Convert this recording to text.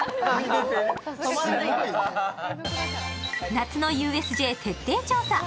夏のＵＳＪ徹底調査。